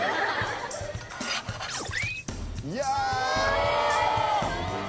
いや！